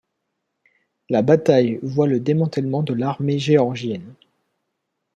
La bataille voit le démantèlement de l'armée géorgienne.